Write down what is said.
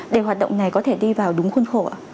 để hoạt động này có thể đi vào đúng khuôn khổ